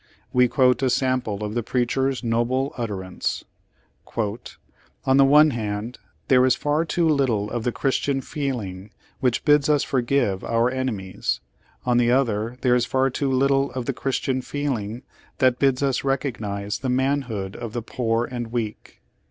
We quote a sample of the preacher's noble utterance: "On the one hand, there is far too little of the Christian feeling which bids us forgive our enemies; on the other, there is far too little of the Christian feeling that bids us recognize the manhood of the poor and weak.